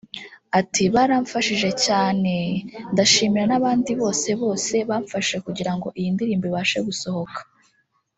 Ati “Baramfashije cyaneee ndashimira n’abandi bose bose bamfashije kugira ngo iyi ndirimbo ibashe gusohoka